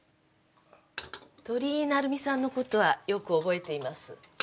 鳥居成美さんの事はよく覚えています。